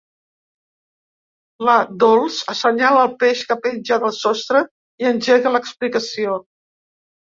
La Dols assenyala el peix que penja del sostre i engega l'explicació.